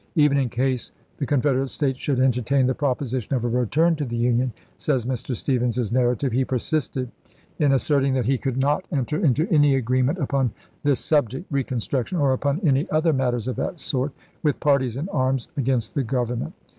" Even in case the Confederate States should entertain the proposition of a return to the Union," says Mr. Stephens's narrative, "he persisted in asserting that he could not enter into any agree ment upon this subject [reconstruction], or upon any other matters of that sort, with parties in arms against the Government.